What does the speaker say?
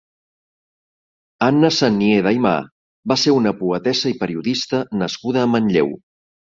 Anna Senyé d'Aymà va ser una poetessa i periodista nascuda a Manlleu.